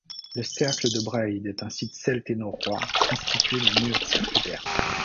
Le cercle de Braaid est un site celte et norrois constitué d'un mur circulaire.